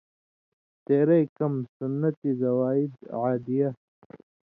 تېرئ کمہۡ (سنت زوائد/ عادیہ):